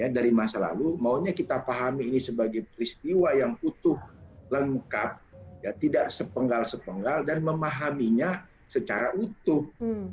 dari masa lalu maunya kita pahami ini sebagai peristiwa yang utuh lengkap tidak sepenggal sepenggal dan memahaminya secara utuh